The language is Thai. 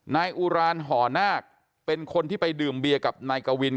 นายอุรานห่อนาคเป็นคนที่ไปดื่มเบียกับนายกวิน